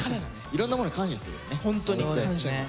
いろんなものに感謝するよね。